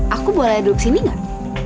aku boleh duduk sini gak